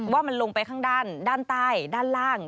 ว่ามันลงไปข้างด้านด้านใต้ด้านล่าง